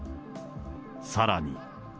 さらに。